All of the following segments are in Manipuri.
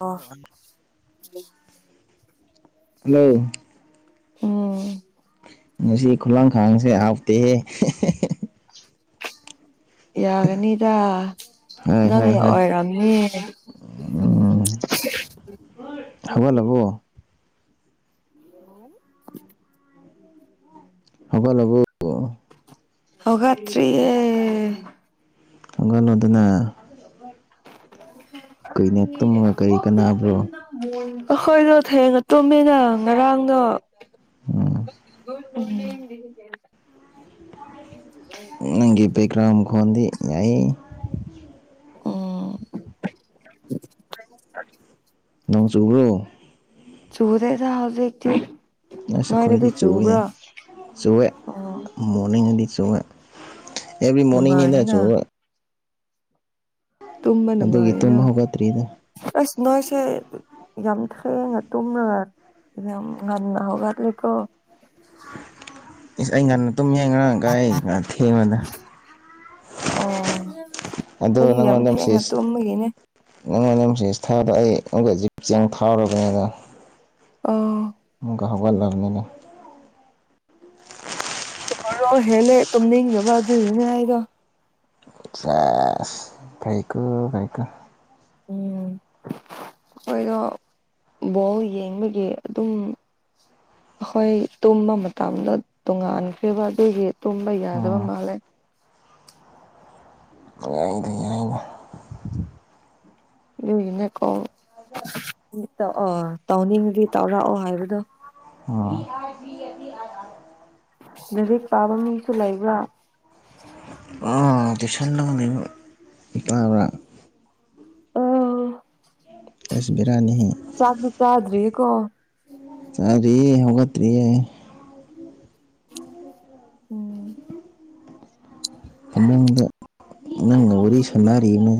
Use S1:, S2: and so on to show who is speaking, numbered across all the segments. S1: ꯑꯣ
S2: ꯍꯜꯂꯣ
S1: ꯎꯝ
S2: ꯉꯁꯤ ꯈꯨꯂꯥꯡꯈꯥꯡꯁꯦ ꯍꯥꯎꯇꯦꯍꯦ
S1: ꯌꯥꯒꯅꯤꯗ
S2: ꯍꯣꯏ ꯍꯣꯏ
S1: ꯅꯪꯅ
S2: ꯍꯣꯏ
S1: ꯑꯣꯏꯔꯝꯃꯤ
S2: ꯍꯧꯒꯠꯂꯥꯕꯣ
S1: ꯍ [unintelligible]
S2: ꯍꯧꯒꯠꯂꯕꯨ
S1: ꯍꯧꯒꯠꯇ꯭ꯔꯤꯌꯦ
S2: ꯀꯅꯅꯣ ꯑꯗꯨꯅ ꯀꯨꯏꯅ ꯇꯨꯝꯃꯒ
S1: ꯑ
S2: ꯀꯔꯤ ꯀꯥꯟꯅꯕ꯭ꯔꯣ
S1: ꯍꯗ [unintelligible] ꯑꯩꯈꯣꯏꯗꯣ ꯊꯦꯡꯅ ꯇꯨꯝꯃꯤꯅ ꯉꯔꯥꯡꯗꯣ ꯑꯣ [unintelligible]
S2: ꯅꯪꯒꯤ ꯕꯦꯛꯒ꯭ꯔꯥꯎ ꯃꯈꯣꯟꯗꯤ ꯌꯥꯏ
S1: ꯎꯝ
S2: ꯅꯣꯡ ꯆꯨꯕ꯭ꯔꯣ
S1: ꯆꯨꯗꯦꯗꯥ ꯍꯧꯖꯤꯛꯇꯤ
S2: ꯑꯁ ꯑꯩꯈꯣꯏꯗꯤ
S1: ꯅꯣꯏꯗꯗꯤ
S2: ꯆꯨꯋꯦ
S1: ꯆꯨꯕ꯭ꯔꯥ
S2: ꯆꯨꯋꯦ
S1: ꯑꯣ
S2: ꯃꯣꯔꯅꯤꯡꯉꯗꯤꯁꯨꯋꯦ ꯑꯦꯕ꯭ꯔꯤ ꯃꯣꯔꯅꯤꯡꯅꯤꯗ
S1: ꯅꯨꯡꯉꯥꯏꯌꯦꯅ
S2: ꯆꯨꯕꯋꯦ
S1: ꯇꯨꯝꯃ
S2: ꯑꯗꯨꯒꯤ
S1: ꯅꯨꯡꯉꯥꯏꯌꯦꯅ
S2: ꯇꯨꯝꯕ ꯍꯧꯒꯠꯇ꯭ꯔꯤꯗ
S1: ꯑꯁ ꯅꯣꯏꯁꯦ ꯌꯥꯝ ꯊꯦꯡꯉ ꯇꯨꯝꯔꯒ ꯉꯟꯅꯥ ꯍꯧꯒꯠꯂꯨꯀꯣ
S2: ꯏꯁ ꯑꯩ ꯉꯥꯟ ꯇꯨꯝꯃꯦ ꯉꯔꯥꯡ ꯒꯥꯏꯅ ꯊꯦꯡꯕꯗ
S1: ꯑꯣ
S2: ꯑꯗꯣ
S1: ꯑꯩꯗꯤ ꯌꯥꯝ
S2: ꯅꯪꯉꯣꯟꯗ
S1: ꯊꯦꯛꯉꯥ
S2: ꯃꯦꯁꯦꯖ
S1: ꯇꯨꯝꯕꯒꯤꯅꯦ
S2: ꯅꯪꯉꯣꯟꯗ ꯃꯦꯁꯦꯁ ꯊꯥꯗꯥ ꯑꯩ [unintelligible]
S1: ꯑ
S2: ꯃꯨꯒꯥ ꯍꯒꯜꯂꯔꯅꯤꯅ
S1: ꯔꯣ ꯍꯦꯜꯂꯦ ꯇꯨꯝꯅꯤꯡꯅꯕ ꯑꯗꯨ ꯌꯦꯅꯦ ꯍꯥꯏꯗ
S2: ꯆꯁ ꯐꯩꯀꯨ ꯐꯩꯀꯨ
S1: ꯎꯝ ꯍꯣꯏꯗꯣ ꯕꯣꯜ ꯌꯦꯡꯕꯒꯤ ꯑꯗꯨꯝ ꯍꯣꯏ ꯇꯨꯝꯕ ꯃꯇꯝꯗ ꯇꯣꯉꯥꯟꯈꯤꯕ ꯑꯗꯨꯒꯤ ꯇꯨꯝꯕ ꯌꯥꯗꯕ
S2: ꯎꯝ
S1: ꯃꯥꯜꯂꯦ
S2: ꯌꯥꯗꯤ ꯌꯥ
S1: ꯑꯗꯨꯒꯤꯅꯦꯀꯣ ꯇꯧꯅꯤꯡꯗꯤ ꯇꯧꯔꯛꯑꯣ ꯍꯥꯏꯕꯗꯣ
S2: ꯎ
S1: ꯂꯥꯏꯔꯤꯛ ꯄꯥꯕ ꯃꯤꯁꯨ ꯂꯩꯕ꯭ꯔꯥ
S2: ꯎꯝ ꯇꯨꯏꯁꯟ ꯂꯧꯔꯤꯕꯥ ꯇꯥꯕꯔꯥ
S1: ꯑꯣ
S2: ꯑꯩꯁ ꯕꯦꯔꯥꯅꯤꯍꯦ
S1: ꯆꯥ ꯗꯨ ꯆꯥꯗ꯭ꯔꯤ ꯀꯣ
S2: ꯆꯥꯗ꯭ꯔꯤ ꯍꯧꯒꯠꯇ꯭ꯔꯤꯌꯦ
S1: ꯎꯝ
S2: ꯐꯃꯨꯡꯗ ꯅꯪꯒꯥ ꯋꯥꯔꯤ ꯁꯥꯟꯅꯔꯤꯅꯦ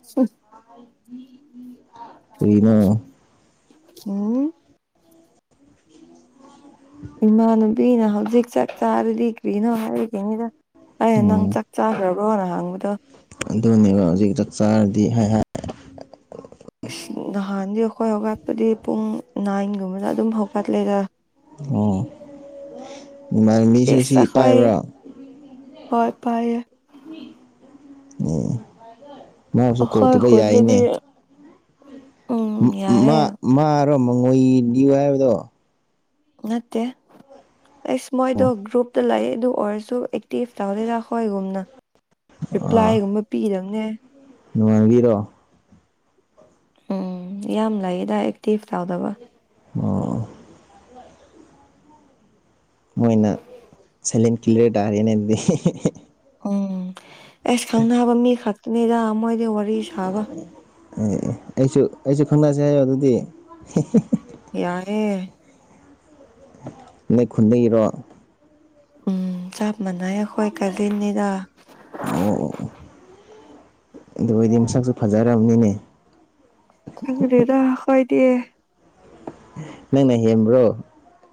S1: [unintelligible]
S2: ꯀ꯭ꯔꯤꯔꯣ
S1: ꯎꯝ ꯏꯃꯥꯅꯨꯕꯤꯅ ꯍꯧꯖꯤꯛ ꯆꯥꯛ ꯆꯥꯔꯗꯤ ꯀ꯭ꯔꯤꯅꯣ ꯍꯥꯏꯔꯛꯒꯤꯅꯤꯗ ꯑꯩ ꯅꯪ
S2: ꯎꯝ
S1: ꯆꯥꯛ ꯆꯥꯒ꯭ꯔꯥꯕ꯭ꯔꯣꯅ ꯍꯡꯕꯗꯣ
S2: ꯀꯩꯅꯣ ꯍꯧꯖꯤꯛ ꯆꯥꯛ ꯆꯥꯔꯗꯤ ꯍꯥꯏ ꯍꯥꯏ
S1: ꯅꯍꯥꯟꯗꯤ ꯑꯩꯈꯣꯏ ꯍꯧꯒꯠꯄꯗꯤ ꯄꯨꯡ ꯅꯥꯏꯟꯒꯨꯝꯕꯗ ꯑꯗꯨꯝ ꯍꯧꯒꯠꯂꯦꯗ
S2: ꯎꯝ [inaudible]
S1: ꯏꯁ
S2: ꯁꯤ
S1: ꯑꯈꯣꯏ
S2: ꯄꯥꯏꯕ꯭ꯔꯣ
S1: ꯍꯣꯏ ꯄꯥꯏꯌꯦ
S2: ꯃꯣꯁꯨ ꯀꯣꯜ
S1: ꯑꯩꯈꯣꯏ
S2: ꯇꯧꯕ ꯌꯥꯏꯅꯦ
S1: ꯈꯨꯟꯗꯗꯤ ꯎꯝ
S2: ꯃꯥ
S1: ꯌꯥꯏꯌꯦ
S2: ꯃꯥꯔꯣ ꯃꯉꯣꯏꯗꯤꯌꯨ ꯍꯥꯏꯕꯗꯣ
S1: ꯅꯠꯇꯦ ꯑꯁ ꯃꯣꯏꯗꯣ
S2: ꯑꯣ
S1: ꯒ꯭ꯔꯨꯞꯇꯥ ꯂꯩ ꯑꯗꯨ ꯑꯣꯏꯔꯁꯨ ꯑꯦꯛ ꯇꯦꯐ ꯇꯧꯗꯦꯗ ꯑꯈꯣꯏꯒꯨꯝꯅ ꯔꯤꯄ꯭ꯂꯥꯏꯒꯨꯝꯕ ꯄꯤꯗꯕꯅꯦ
S2: ꯅꯨꯡꯉꯥꯏꯕꯤꯔꯣ
S1: ꯎꯝ ꯌꯥꯝ ꯂꯩꯌꯦꯗ ꯑꯦꯛꯇꯤꯐ ꯇꯥꯎꯗꯕ
S2: ꯑꯣ ꯃꯣꯏꯅ ꯁꯥꯏꯂꯦꯟ ꯀꯤꯂꯔ ꯇꯥꯔꯦꯅꯦ ꯑꯗꯨꯗꯤ
S1: ꯎꯝ ꯑꯦꯁ ꯈꯪꯅꯕ ꯃꯤ ꯈꯛꯇꯅꯤꯗ ꯃꯣꯏꯗꯤ ꯋꯥꯔꯤ ꯁꯥꯕ
S2: ꯑꯦ ꯑꯩꯁꯨ ꯑꯩꯁꯨ ꯈꯪꯅꯁꯦ ꯍꯥꯏꯌꯣ ꯑꯗꯨꯗꯤ
S1: ꯌꯥꯑꯦ
S2: ꯅꯣꯏ ꯈꯨꯨꯟꯗꯒꯤꯔꯣ
S1: ꯎꯝ ꯆꯞ ꯃꯥꯟꯅꯩ ꯑꯩꯈꯣꯏ ꯀꯥꯖꯤꯟꯅꯤꯗ
S2: ꯑꯣ ꯑꯣ ꯑꯗꯨ ꯑꯣꯏꯗꯤ ꯃꯁꯛꯁꯨ ꯐꯖꯔꯝꯅꯤꯅꯦ
S1: ꯈꯪꯗꯦꯗ ꯑꯈꯣꯏꯗꯤ
S2: ꯅꯪꯅ ꯍꯦꯝꯕ꯭ꯔꯣ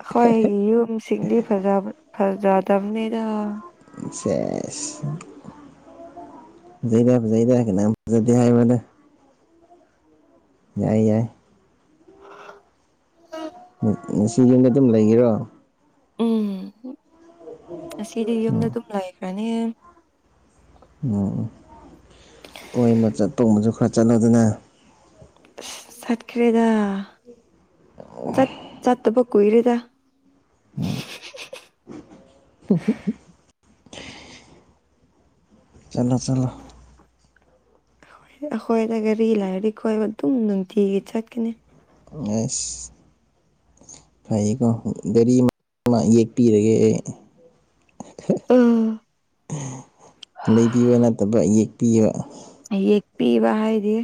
S1: ꯑꯈꯣꯏ ꯌꯨꯝꯁꯤꯡꯗꯤ ꯐꯖꯕ ꯐꯖꯗꯕꯅꯤꯗ
S2: ꯁꯦꯁ ꯖꯩꯗ ꯐꯥꯖꯩꯗ ꯀꯅꯥ ꯐꯖꯗꯦ ꯍꯥꯏꯕꯅꯣꯗ ꯌꯥꯏ ꯌꯥꯏ ꯎꯝ ꯉꯁꯤ ꯌꯨꯝꯗ ꯑꯗꯨꯝ ꯂꯩꯒꯦꯔꯣ
S1: ꯎꯝ ꯉꯁꯤꯗꯤ ꯌꯨꯝꯗ ꯑꯗꯨꯝ ꯂꯩꯈ꯭ꯔꯥꯅꯤꯌꯦ
S2: ꯎꯝ ꯎꯝ ꯀꯣꯏꯕ ꯆꯠꯄꯒꯨꯝꯕꯖꯨ ꯈꯔ ꯆꯠꯂꯨꯗꯅ
S1: ꯑꯁ ꯁꯠꯈ꯭ꯔꯦꯗ ꯆꯠ ꯆꯠꯇꯕ ꯀꯨꯏꯔꯦꯗ
S2: ꯎꯝ ꯆꯂꯣ ꯆꯂꯣ
S1: ꯑꯈꯣꯏꯗ ꯒꯥꯔꯤ ꯂꯥꯏꯔꯥꯗꯤ ꯀꯣꯏꯕ ꯑꯗꯨꯝ ꯅꯨꯡꯇꯤꯒꯤ ꯆꯠꯀꯥꯅꯤ
S2: ꯑꯁ ꯐꯩꯌꯦꯀꯣ ꯒꯥꯔꯤ ꯑꯃ ꯌꯦꯛꯄꯤꯔꯒꯦ ꯑꯩ
S1: ꯎꯝ
S2: ꯂꯩꯕꯤꯕ ꯅꯠꯇꯕ ꯌꯦꯛꯄꯤꯕ
S1: ꯌꯦꯛꯄꯤꯕ ꯍꯥꯏꯗꯤ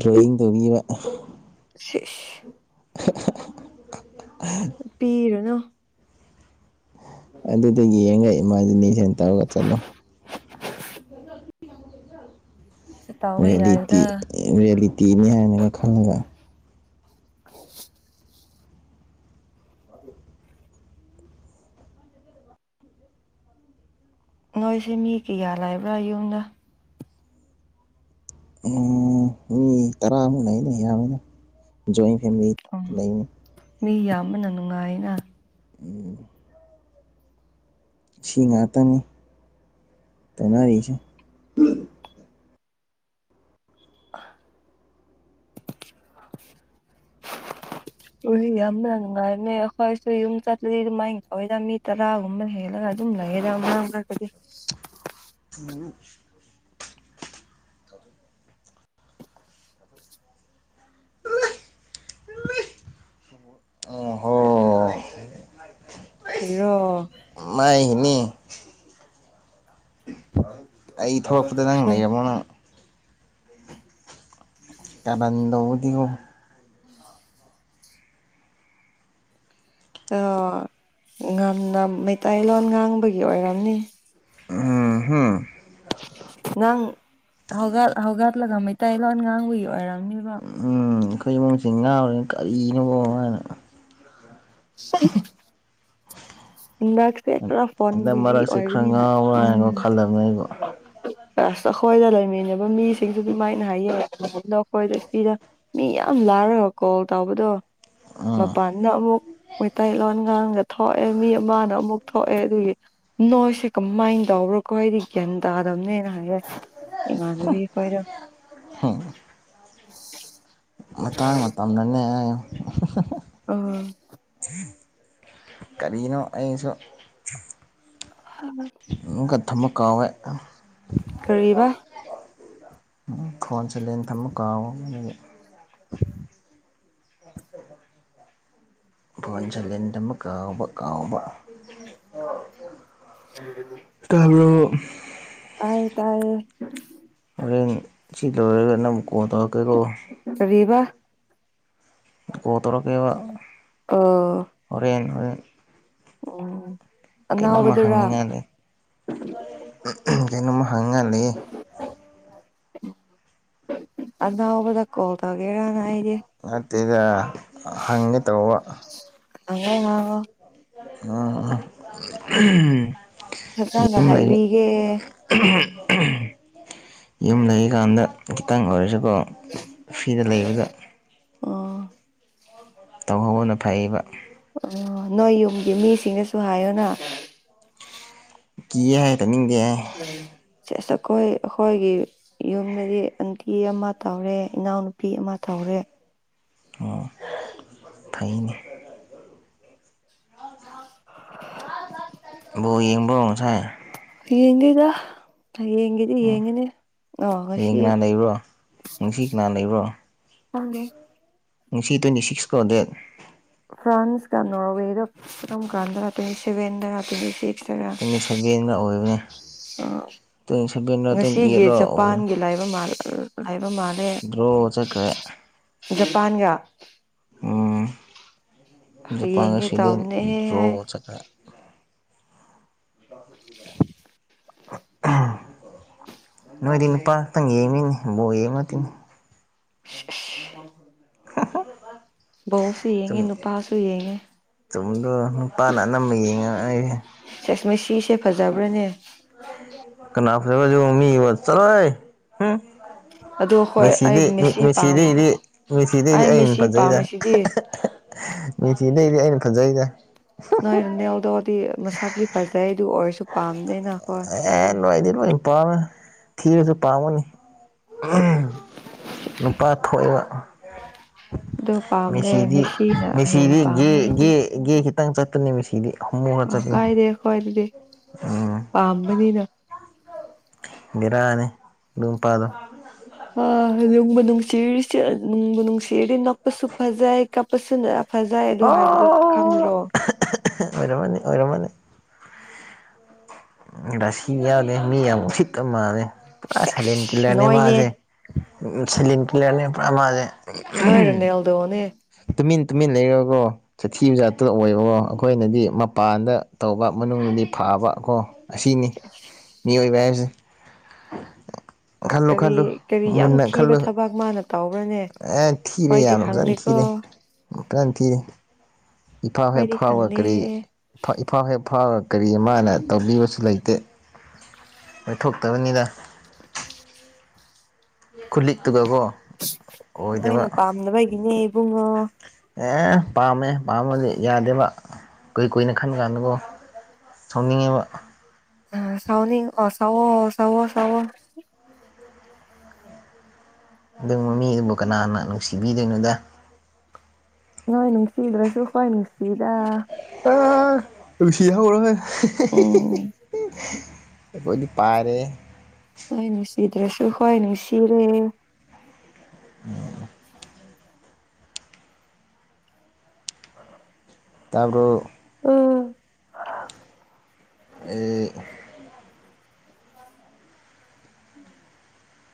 S2: ꯗ꯭ꯔꯣꯌꯤꯡ ꯇꯧꯕꯤꯕ
S1: ꯁꯤꯏꯁ
S2: [unintelligible]
S1: ꯄꯤꯔꯨꯅꯨ
S2: ꯑꯗꯨꯗ ꯌꯦꯡꯒ ꯏꯃꯥꯖꯤꯅꯦꯁꯟ ꯇꯧꯔꯒ ꯆꯠꯂꯣ [unintelligible]
S1: ꯇꯥꯎꯕ
S2: ꯔꯦꯟꯂꯤꯇꯤ
S1: ꯌꯥꯏꯗ
S2: ꯔꯤꯌꯦꯂꯤꯇꯤꯅꯤ ꯍꯥꯏꯅꯒ ꯈꯪꯉꯒ
S1: ꯅꯣꯏꯁꯦ ꯃꯤ ꯀꯌꯥ ꯂꯩꯕ꯭ꯔꯥ ꯌꯨꯝꯗ
S2: ꯎꯝ ꯃꯤ ꯇꯔꯥꯃꯨꯛ ꯂꯩꯅꯤ ꯑꯌꯥꯝꯕꯅꯦ ꯖꯣꯏꯟ ꯐꯦꯃꯤꯂꯤ
S1: ꯎꯝ
S2: ꯂꯩꯅꯤ
S1: ꯃꯤ ꯌꯥꯝꯕꯅ ꯅꯨꯡꯉꯥꯏꯅ
S2: ꯎꯝ ꯁꯤ ꯉꯥꯛꯇꯅꯤ ꯇꯧꯅꯔꯤꯁꯦ [unintelligible]
S1: ꯎꯔꯤꯡ ꯌꯥꯝꯕꯅ ꯅꯨꯡꯉꯥꯏꯕꯅꯦ ꯑꯈꯣꯏꯁꯨ ꯌꯨꯝ ꯆꯠꯂꯗꯤ ꯑꯗꯨ ꯃꯥꯏ ꯇꯧꯋꯦꯗ ꯃꯤ ꯇꯔꯥꯒꯨꯝꯕ ꯍꯦꯜꯂꯒ ꯗꯨꯝ ꯂꯩꯌꯦꯗ ꯃꯥꯃꯛ ꯃꯔꯛꯇꯗꯤ
S2: [unintelligible] [unintelligible] [unintelligible]
S1: ꯀꯔꯤꯔꯣ
S2: ꯃꯥꯏꯅꯤ ꯑꯩ ꯊꯣꯂꯛꯄꯗ ꯅꯪ ꯂꯩꯔꯝꯃꯣ ꯅꯪ ꯀꯔꯟꯗꯧꯕꯅꯤꯀꯣ
S1: [inaudible] [unintelligible] ꯉꯝꯅ ꯃꯩꯇꯩꯂꯣꯟ ꯉꯥꯡꯕꯒꯤ ꯑꯣꯏꯔꯝꯅꯤ꯫
S2: ꯑꯍ ꯍ
S1: ꯅꯪ ꯍꯧꯒꯠ ꯍꯧꯒꯠꯂꯒ ꯃꯩꯇꯩꯂꯣꯟ ꯉꯥꯡꯕꯒꯤ ꯑꯣꯏꯔꯝꯅꯤꯕ
S2: ꯎꯝ ꯑꯈꯣꯏ ꯏꯃꯨꯡꯁꯤ ꯉꯥꯎꯔꯦ ꯀꯔꯤꯅꯣꯕ ꯃꯅ
S1: [unintelligible]
S2: [inaudible]
S1: ꯍꯟꯗꯛꯁꯦ ꯈꯔ ꯐꯣꯟ
S2: ꯍꯟꯗꯛ
S1: ꯕꯤꯖꯤ
S2: ꯃꯔꯛꯁꯦ ꯈꯔ
S1: ꯑꯣꯏꯕꯅꯤꯅ
S2: ꯉꯥꯎꯕ꯭ꯔꯥ
S1: ꯎꯝ
S2: ꯍꯥꯏꯅꯒ ꯈꯜꯂꯕꯅꯦ ꯑꯩꯕꯨ
S1: ꯑꯁ ꯑꯈꯣꯏꯗ ꯂꯩꯃꯤꯟꯅꯕ ꯃꯤꯁꯤꯡꯖꯨ ꯑꯗꯨꯃꯥꯏꯅ ꯍꯥꯏꯌꯦ ꯂꯣꯛꯈꯣꯏꯗꯤꯄꯤꯗ ꯃꯤ ꯌꯥꯝ ꯂꯥꯔꯒ ꯀꯣꯜ ꯇꯧꯕꯗꯨ
S2: ꯎꯝ
S1: ꯃꯄꯥꯟ ꯅꯛ ꯑꯃꯨꯛ ꯃꯩꯇꯩꯂꯣꯟ ꯉꯥꯡꯒ ꯊꯣꯛꯑꯦ ꯃꯤ ꯑꯃꯅ ꯑꯃꯨꯛ ꯊꯣꯛꯑꯦ ꯑꯗꯨꯒꯤ ꯅꯣꯏꯁꯦ ꯀꯃꯥꯏꯟ ꯇꯧꯕ꯭ꯔꯣ ꯈꯣꯏꯗꯤ ꯒ꯭ꯌꯥꯟ ꯇꯥꯗꯕꯅꯦꯅ ꯍꯥꯏꯌꯦ ꯏꯃꯥꯟꯅꯕꯤ ꯈꯣꯏꯗꯣ
S2: ꯃꯇꯥꯡ ꯃꯇꯝꯅꯅꯦ ꯍꯥꯏꯌꯣ
S1: ꯑ
S2: ꯀꯔꯤꯅꯣ ꯑꯩꯁꯨ
S1: ꯍꯥ ꯑ
S2: ꯃꯨꯛꯀ ꯊꯝꯃ ꯀꯥꯎꯋꯦ
S1: ꯀꯔꯤꯕ
S2: ꯐꯣꯟ ꯁꯥꯏꯂꯦꯟ ꯊꯝꯃ ꯀꯥꯎꯑꯣ ꯑꯗꯨꯒꯤ ꯐꯣꯟ ꯁꯥꯏꯂꯦꯟ ꯊꯝꯕ ꯀꯥꯎꯕ ꯀꯥꯎꯕ
S1: [inaudible]
S2: ꯇꯕ꯭ꯔꯣ
S1: ꯇꯥꯏꯌꯦ ꯇꯥꯏꯌꯦ
S2: ꯍꯣꯔꯦꯟ ꯁꯤ ꯂꯣꯏꯔꯒ ꯅꯝ ꯀꯣꯟ ꯇꯧꯔꯛꯀꯦꯔꯣ꯫
S1: ꯀꯔꯤꯕ
S2: ꯀꯣꯜ ꯇꯧꯔꯛ ꯀꯦꯕ
S1: ꯑꯣ
S2: ꯍꯣꯔꯦꯟ ꯍꯣꯔꯦꯟ꯫
S1: ꯎꯝ
S2: ꯀꯩꯅꯣꯝꯃ
S1: ꯑꯅꯥꯎꯕꯗꯨꯔꯥ
S2: ꯍꯪꯅꯤꯡꯉꯥꯏ ꯂꯩ ꯀꯩꯅꯣꯝꯃ ꯍꯪꯅꯤꯡꯉꯥꯏ ꯂꯩꯌꯦ
S1: ꯑꯗꯣꯕꯗ ꯀꯣꯜ ꯇꯧꯒꯦꯔꯅ ꯑꯩꯗꯤ꯫
S2: ꯅꯠꯇꯦꯗ ꯍꯪꯒꯦ ꯇꯧꯕ꯫
S1: [inaudible]
S2: [inaudible]
S1: ꯐꯖꯆꯅ
S2: ꯌꯨꯝ ꯂꯩ
S1: ꯍꯥꯏꯕꯤꯒꯦ
S2: ꯌꯨꯝ ꯂꯩꯔꯤꯀꯥꯟꯗ ꯈꯤꯇꯪ ꯑꯣꯏꯔꯖꯨ ꯀꯣ ꯐꯤꯗ ꯂꯩꯕꯗ
S1: ꯑꯣ
S2: ꯇꯧꯍꯧꯕꯅ ꯐꯩꯌꯦꯕ
S1: ꯑꯣ ꯅꯣꯏ ꯌꯨꯝꯒꯤ ꯃꯤꯁꯤꯡꯗꯁꯨ ꯍꯥꯏꯌꯣꯅ
S2: ꯀꯤꯌꯦ ꯍꯥꯏ ꯇꯧꯅꯤꯡꯗꯦ ꯍꯥꯏ
S1: ꯆꯦꯖ ꯑꯈꯣꯏ ꯑꯈꯣꯏꯒꯤ ꯌꯨꯝꯗꯗꯤ ꯑꯟꯇꯤ ꯑꯃ ꯇꯧꯔꯦ ꯏꯅꯥꯎꯅꯨꯄꯤ ꯑꯃ ꯇꯧꯔꯦ
S2: ꯑꯣ ꯐꯩꯅꯦ
S1: [inaudible]
S2: ꯕꯣꯜ ꯌꯦꯡꯕ꯭ꯔꯣ ꯉꯁꯥꯏ
S1: ꯌꯦꯡꯗꯦꯗ ꯍꯌꯦꯡꯒꯤꯗꯤ ꯌꯦꯡꯉꯤꯅꯤ ꯑ ꯉꯁꯤ
S2: ꯍꯌꯦꯡ ꯀꯅꯥ ꯂꯩꯕ꯭ꯔꯣ ꯉꯁꯤ ꯀꯅꯥ ꯂꯩꯕ꯭ꯔꯣ꯫
S1: ꯈꯪꯗꯦ
S2: ꯉꯁꯤ ꯇ꯭ꯋꯦꯟꯇꯤ ꯁꯤꯛꯁꯀꫭ ꯗꯦꯠ
S1: ꯐ꯭ꯔꯥꯟꯁ ꯀꯥ‌ ꯅꫭꯔꯋꯦ‌ꯗ ꯑꯗꯨꯝ ꯀꯥꯟꯗ [unintelligible]
S2: ꯇꯋꯦꯟꯇꯤ ꯁꯕꯦꯟꯗ ꯑꯣꯏꯕꯅꯤ
S1: ꯉꯁꯤꯒꯤ
S2: ꯑꯩꯠꯂ ꯑꯣꯏꯕꯅꯦ
S1: ꯖꯄꯥꯟꯒꯤ ꯂꯩꯕ ꯃꯥꯜꯂꯦ ꯂꯩꯕ ꯃꯥꯜ
S2: ꯗ꯭ꯔꯣ ꯆꯠꯈ꯭ꯔꯦ
S1: ꯖꯄꯥꯟꯒ
S2: ꯎꯝ ‌ꯖꯄꯥꯟ
S1: ꯌꯦꯡꯒꯦ
S2: ꯉꯁꯤ ꯗꯔꯣ
S1: ꯇꯧꯕꯅꯦꯍꯦ
S2: ꯆꯠꯈꯔꯦ ꯗ [inaudible] ꯅꯣꯏꯗꯤ ꯅꯨꯄꯥꯇꯪ ꯌꯦꯡꯅꯤꯡꯉꯤ ꯕꯣꯏ ꯌꯦꯡꯕ ꯅꯠꯇꯦꯅꯦ
S1: [inaudible]
S2: [inaudible]
S1: ꯕꯧꯁꯨ ꯌꯦꯡꯉꯦ ꯅꯨꯄꯥꯁꯨ ꯌꯦꯡꯉꯦ
S2: ꯆꯨꯝꯗ꯭ꯔꫭ‌‌ ꯅꯨꯄꯥꯅ ꯑꯅꯝꯕ ꯌꯦꯡꯉꯛꯑꯅꯤ
S1: ꯁꯦꯁ ꯃꯦꯁꯤꯁꯦ ꯐꯖꯕ꯭ꯔꯅꯦ
S2: ꯀꯅꯥ [unintelligible] ꯆꯠꯂꫭꯍꯦ
S1: ꯑꯗꯣ ꯍꯣꯏ ꯑꯩ ꯃꯦꯁꯤ ꯄꯥꯝ
S2: ꯃꯦꯁꯤꯗꯩꯗꯤ ꯃꯦꯁꯤꯗꯩꯗꯤ
S1: ꯑꯩ
S2: ꯑꯩꯅ
S1: ꯃꯦꯁꯤ
S2: ꯐꯖꯩꯗ
S1: ꯄꯥꯝꯃꯤꯁꯤꯗꯤ
S2: ꯃꯦꯁꯤꯗꯩꯗꯤ ꯑꯩꯅ‌‌ ꯐꯖꯩꯗ
S1: ꯅꯣꯏ ꯅꯜꯗꯣꯗꯤ ꯃꯁꯛꯇꯤ ꯐꯖꯩ ꯑꯗꯨ ꯑꯣꯏꯔꯁꯨ ꯄꯥꯝꯗꯅꯈꯣꯏ
S2: ꯑꯦ ꯅꯣꯏꯗꯤ ꯂꯣꯏꯅ ꯄꯥꯝꯃꯦ ꯊꯤꯔꯁꯨ ꯄꯥꯝꯃꯅꯤ ꯅꯨꯄꯥ ꯊꯣꯛ‌ꯑ‌ꯦꯕ
S1: ꯑꯗꯨ ꯄꯥꯝꯗꯦ
S2: ꯃꯦꯁꯤꯗꯤ
S1: ꯃꯦꯁꯤꯅ ꯍꯦꯟꯅ
S2: ꯃꯦꯁꯤꯗꯤꯒꯦ
S1: ꯄꯥꯝꯃꯦ ꯑꯩꯗꯤ
S2: ꯒꯦ ꯈꯤꯇꯪ ꯆꯠꯇꯅꯦ ꯃꯦꯁꯤꯗꯤ ꯍꯣꯃꯣ ꯈꯔ
S1: ꯑꯥ
S2: ꯆꯠꯄꯅꯤ
S1: ꯀꯥꯏꯔꯦ ꯈ‌ꯣꯏꯗꯗꯤ
S2: ꯎꯝ
S1: ꯄꯥꯝꯕꯅꯤꯅ
S2: ꯕꯤꯔꯥꯅꯤ ꯑꯗꯨꯅꯨꯄꯥꯥꯗꯣ
S1: ꯑ ꯅꯨꯡꯕꯨ ꯅꯨꯡꯁꯤꯔꯤꯁꯤ ꯅꯨꯡꯕꯨ ꯅꯨꯡꯁꯤꯔꯤ ꯅꯣꯛꯄꯁꯨ ꯐꯖꯩ ꯀꯥꯞꯄꯁꯨ
S2: ꯍ‌ꯣ ꯑꯣꯏꯔꯝꯃꯅꯤ ꯑꯣꯏꯔꯝꯃꯅꯤ ꯔꯁꯤ ꯌꯥꯎꯅꯤꯦ ꯃꯤ ꯌꯥꯝ ꯎꯁꯤꯠꯀ ꯃꯥꯜꯂꯦ ꯄꯨꯔꯥ ꯁꯩꯂꯦꯟ
S1: ꯁꯦꯁ
S2: ꯀꯤꯂꯔꯅꯦ
S1: ꯅꯣꯏꯅꯦ
S2: ꯃꯥꯁꯦ ꯎꯝ ꯁꯥꯏꯂ‌ꯦꯟ ꯀꯤꯂꯔꯅꯤ ꯄꯨꯔ ꯃꯥꯁ‌ꯦ
S1: ꯅꯣꯏ ꯔ‌ꯦꯅꯥꯜꯗ‌ꯣꯅ‌ꯦ
S2: ꯇꯨꯃꯤꯟ ꯇꯨꯃꯤꯟ ꯂꯩꯔꯒꯣ ꯆꯊꯤꯕ ꯖꯥꯇ ꯑꯣꯏꯕꯣ ꯑꯩꯈꯣꯏꯅꯗꯤ ꯃꯄꯥꯟꯗ ꯇꯧꯕ ꯃꯅꯨꯡꯗꯗꯤ ꯐꯥꯕ ꯀꯣ ꯑꯁꯤꯅꯤ ꯃꯤꯑꯣꯏꯕ ꯍꯥꯏꯕꯁꯤ ꯈꯜꯂꯨ ꯈꯜꯂꯨ
S1: ꯀꯔꯤ ꯀꯔꯤ ꯌꯥꯝ
S2: ꯃꯅ ꯈꯜꯂꯨ
S1: ꯊꯤꯕ ꯊꯕꯛ ꯃꯥꯅ ꯇꯧꯕ꯭ꯔꯅꯦ
S2: ꯑꯦ ꯊꯤ ꯂꯩ
S1: ꯈꯣꯏꯗꯤ
S2: ꯌꯥꯝꯖꯅ ꯊꯤ ꯀꯤꯔꯦ
S1: ꯈꯪꯗꯦꯀꯣ
S2: ꯐꯖꯅ ꯊꯤꯔꯦ ꯏꯐꯥꯎ ꯍ
S1: ꯈꯣꯏꯗꯤ
S2: ꯐꯥꯎꯕ
S1: ꯈꯪꯗꯦ
S2: ꯀꯔꯤ ꯏꯐꯥꯎ ꯍꯦꯛ ꯐꯥꯎꯔꯒ ꯀꯔꯤ ꯃꯥꯅ ꯇꯧꯕꯤꯕꯁꯨ ꯂꯩꯇꯦ ꯂꯣꯏꯊꯣꯛꯇꯕꯅꯤꯅ ꯈꯜꯂꯤ ꯇꯒꯀꯣ
S1: ꯅꯣꯏꯅ ꯄꯥꯝꯅꯕꯒꯤꯅꯦ ꯏꯕꯨꯡꯉꯣ
S2: ꯑꯦ ꯄꯥꯝꯃꯦ ꯄꯥꯝꯃꯗꯤ ꯌꯥꯗꯦꯕ ꯀꯨꯏ ꯀꯨꯏꯅ ꯈꯟꯕ ꯀꯥꯟꯗꯀꯣ ꯁꯥꯎꯅꯤꯡꯉꯦꯕ
S1: ꯑ ꯁꯥꯎꯅꯤ ꯑ ꯁꯋꯣ ꯁꯋꯣ ꯁꯋꯣ
S2: ꯑꯗꯨ ꯃꯤꯗꯨꯕꯨ ꯀꯅꯥꯅ ꯅꯨꯡꯁꯤꯕꯤꯗꯣꯏꯅꯣꯗ
S1: ꯅꯣꯏ ꯅꯨꯡꯁꯤꯗ꯭ꯔꯁꯨ ꯍ꯭ꯋꯥꯣꯏ ꯅꯨꯡꯁꯤꯗ
S2: ꯑ ꯔꯨꯁꯤ ꯍꯧꯔ ꯍꯣꯏ
S1: ꯎꯝ
S2: ꯑꯩꯈꯣꯏꯗꯤ ꯄꯥꯔꯦ
S1: ꯍꯣꯏ ꯅꯨꯡꯁꯤꯗ꯭ꯔꯁꯨ ꯍꯣꯏ ꯅꯨꯡꯁꯤꯔꯦ
S2: [inaudible] ꯇꯥꯕꯨꯔꯣ
S1: ꯎꯝ
S2: ꯑꯦ
S1: [inaudible]